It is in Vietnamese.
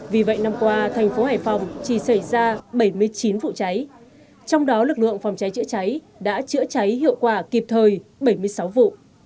vì vậy năm qua thành phố hải phòng chỉ xảy ra bảy mươi chín vụ cháy trong đó lực lượng phòng cháy chữa cháy đã chữa cháy hiệu quả kịp thời bảy mươi sáu vụ